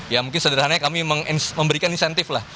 ya mungkin sederhananya kami memberikan insentif lah